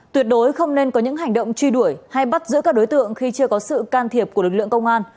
tuyệt đối không nên có những hành động truy đuổi hay bắt giữ các đối tượng khi chưa có sự can thiệp của lực lượng công an